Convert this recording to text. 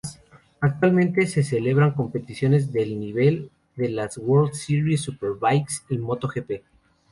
Actualmente se celebran competiciones del nivel de las World series, Superbikes y Moto gp.